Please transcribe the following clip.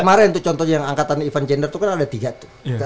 kemarin tuh contohnya yang angkatan event gender itu kan ada tiga tuh